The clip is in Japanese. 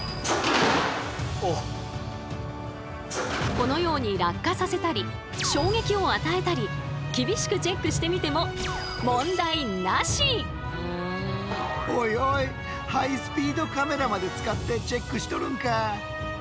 このように落下させたり衝撃を与えたり厳しくチェックしてみてもおいおいハイスピードカメラまで使ってチェックしとるんか。